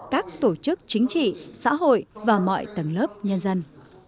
các tổ chức chính trị xã hội và mọi tầng lớp nhân dân